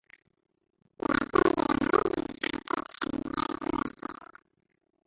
The arcades of the nave and the font date from the Early English period.